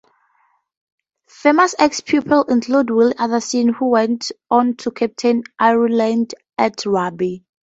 Famous ex pupils include Willie Anderson who went on to captain Ireland at rugby.